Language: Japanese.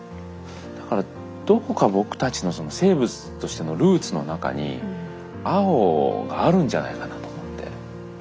だからどこか僕たちのその生物としてのルーツの中に青があるんじゃないかなと思って。